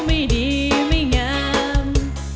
ไม่ดีไม่งาม